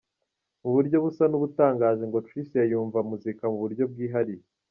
Mu buryo busa n’ubutangaje ngo Tricia yumva muzika mu buryo bwihariye.